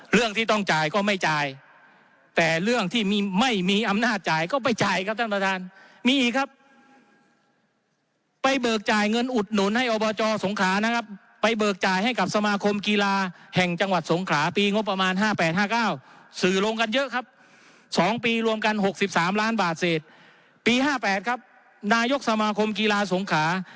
เรื่องที่ต้องจ่ายก็ไม่จ่ายแต่เรื่องที่ไม่มีอำนาจจ่ายก็ไปจ่ายครับท่านประธานมีอีกครับไปเบิกจ่ายเงินอุดหนุนให้อบจสงขานะครับไปเบิกจ่ายให้กับสมาคมกีฬาแห่งจังหวัดสงขลาปีงบประมาณ๕๘๕๙สื่อลงกันเยอะครับ๒ปีรวมกัน๖๓ล้านบาทเศษปี๕๘ครับนายกสมาคมกีฬาสงขา